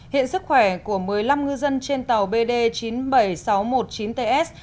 hiện sức khỏe của một mươi năm ngư dân trên tàu bd chín mươi bảy nghìn sáu trăm một mươi chín ts